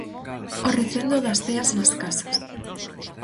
O recendo das ceas nas casas.